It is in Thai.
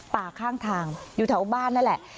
ข้างทางอยู่แถวบ้านนั่นแหละ